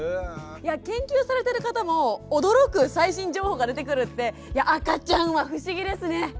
研究されてる方も驚く最新情報が出てくるって赤ちゃんは不思議ですね。